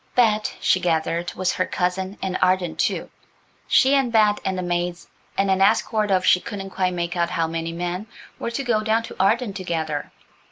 Bet, she gathered, was her cousin–an Arden, too, She and Bet and the maids, and an escort of she couldn't quite make out how many men, were to go down to Arden together.